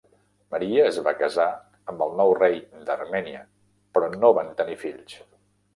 Maria es va casar amb el nou rei d"Armènia però no van tenir fills.